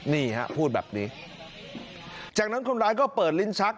นี่ฮะพูดแบบนี้จากนั้นคนร้ายก็เปิดลิ้นชัก